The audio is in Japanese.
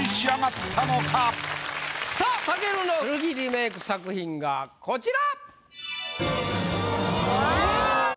さぁ武尊の古着リメイク作品がこちら！